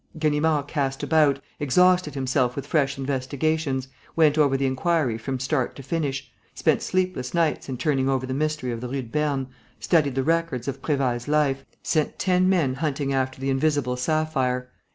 Ganimard cast about, exhausted himself with fresh investigations, went over the inquiry from start to finish, spent sleepless nights in turning over the mystery of the Rue de Berne, studied the records of Prévailles' life, sent ten men hunting after the invisible sapphire.